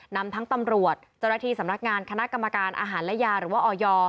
นำทั้งตำรวจเจ้าหน้าที่สำนักงานคณะกรรมการอาหารและยาหรือว่าออย